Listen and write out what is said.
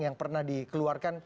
yang pernah dikeluarkan